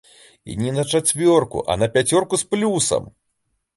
І не на чацвёрку, а на пяцёрку з плюсам.